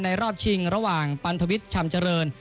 รอบชิงระหว่างปันทวิทย์ชำเจริญ